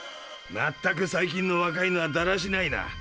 まったく最近の若いのはだらしないな。